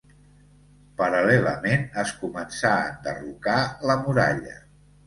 Paral·lelament, es començà a enderrocar la muralla.